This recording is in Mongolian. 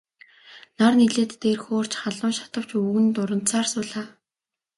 Нар нэлээд дээр хөөрч халуун шатавч өвгөн дурандсаар суулаа.